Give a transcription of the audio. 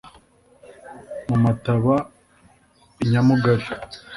mu mataba i nyamugari